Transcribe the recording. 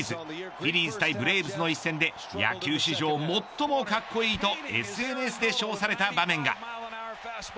フィリーズ対ブレーブスの一戦で野球史上最も格好いいとＳＮＳで称された場面が。